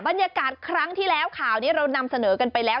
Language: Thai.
บรรยากาศครั้งที่แล้วข่าวนี้เรานำเสนอกันไปแล้ว